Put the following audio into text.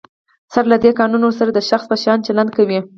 سره له دی، قانون ورسره د شخص په شان چلند کوي.